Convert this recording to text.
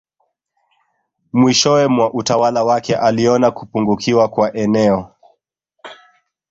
Mwishowe mwa utawala wake aliona kupungukiwa kwa eneo